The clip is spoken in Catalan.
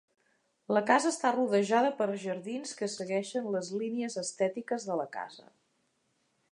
La casa està rodejada per jardins que segueixen les línies estètiques de la casa.